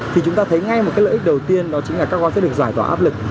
thì chúng ta thấy ngay một lợi ích đầu tiên đó chính là các con sẽ được giải tỏa áp lực